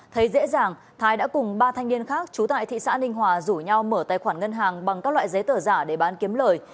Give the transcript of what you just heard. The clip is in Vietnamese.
thấy dễ dàng thái đã cùng ba thanh niên khác trú tại thị xã ninh hòa rủ nhau mở tài khoản ngân hàng bằng các loại giấy tờ giả để bán kiếm lời